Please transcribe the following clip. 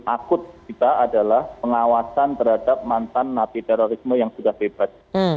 akut kita adalah pengawasan terhadap mantan napi terorisme yang sudah bebas